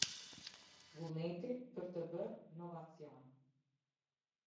Vullneti për të bërë novacion.